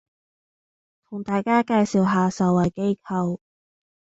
同大家介紹下受惠機構